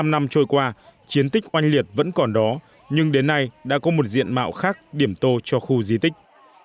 bảy mươi năm năm trôi qua chiến tích oanh liệt vẫn còn đó nhưng đến nay đã có một diện mạo khác điểm tô cho khu di tích